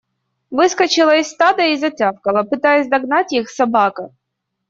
Выскочила из стада и затявкала, пытаясь догнать их, собака.